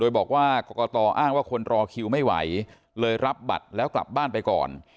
โดยบอกว่ากรกตอ้างว่าคนรอคิวไม่ไหวเลยรับบัตรแล้วกลับบ้านไปก่อน